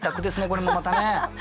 これもまたね。